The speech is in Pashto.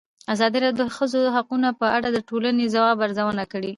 ازادي راډیو د د ښځو حقونه په اړه د ټولنې د ځواب ارزونه کړې.